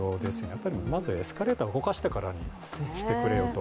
やっぱりまずエスカレーター動かしてからにしてくれよと。